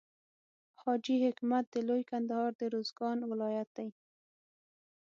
حاجي حکمت د لوی کندهار د روزګان ولایت دی.